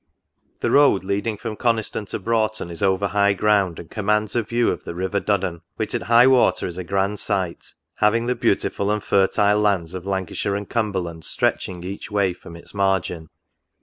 " The road leading from Coniston to Broughton is over high ground, and commands a view of the river Duddon ; which at high water 44 NOTES. is a grand sight, having the beautiful and fertile lands of Lancashire and Cumberland stretching each way from its margin.